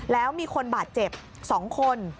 แล้วมีคนบาดเจ็บ๒คน